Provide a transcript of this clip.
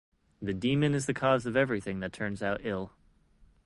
The demon is the cause of everything that turns out ill.